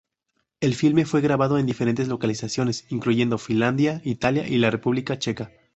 El filme fue grabado en diferentes localizaciones, incluyendo Finlandia, Italia y la República Checa.